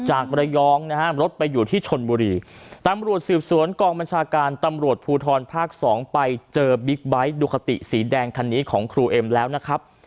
มรยองนะฮะรถไปอยู่ที่ชนบุรีตำรวจสืบสวนกองบัญชาการตำรวจภูทรภาคสองไปเจอบิ๊กไบท์ดูคาติสีแดงคันนี้ของครูเอ็มแล้วนะครับ